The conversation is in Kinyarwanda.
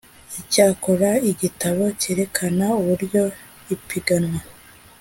Icyakora igitabo cyerekana uburyo ipiganwa